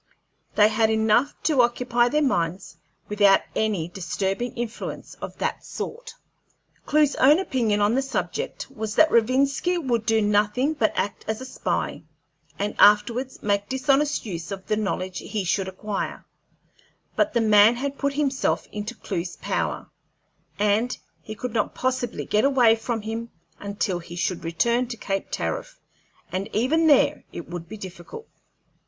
They had enough to occupy their minds without any disturbing influence of that sort. Clewe's own opinion on the subject was that Rovinski could do nothing but act as a spy, and afterwards make dishonest use of the knowledge he should acquire; but the man had put himself into Clewe's power, and he could not possibly get away from him until he should return to Cape Tariff, and even there it would be difficult.